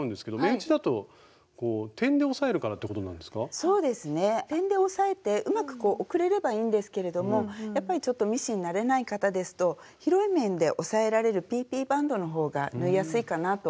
点で押さえてうまく送れればいいんですけれどもやっぱりちょっとミシン慣れない方ですと広い面で押さえられるＰＰバンドのほうが縫いやすいかなと思います。